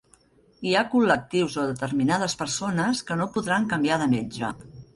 Hi ha col·lectius o determinades persones que no podran canviar de metge.